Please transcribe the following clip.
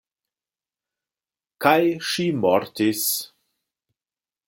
Kaj ŝi mortis.